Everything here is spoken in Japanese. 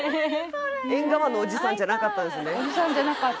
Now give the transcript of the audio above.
それおじさんじゃなかったです